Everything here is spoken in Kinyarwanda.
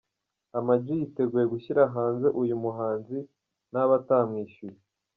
Ama G yiteguye gushyira hanze uyu muhanzi naba atamwishyuye.